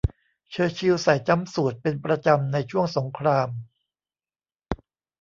เชอร์ชิลใส่จั๊มสูทเป็นประจำในช่วงสงคราม